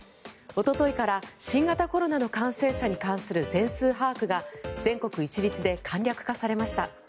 おとといから新型コロナの感染者に関する全数把握が全国一律で簡略化されました。